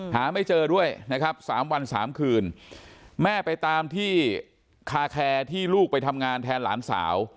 หาไม่เจอด้วยนะครับสามวันสามคืนแม่ไปตามที่คาแคร์ที่ลูกไปทำงานแทนหลานสาว